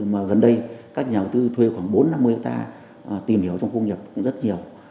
mà gần đây các nhà đầu tư thuê khoảng bốn năm người ta tìm hiểu trong khu nghiệp cũng rất nhiều